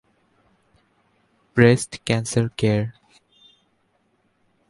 breast cancer care